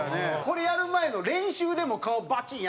これやる前の練習でも顔バチン！